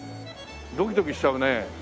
ドキドキしちゃうね。